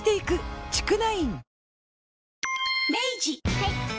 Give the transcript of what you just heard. はい。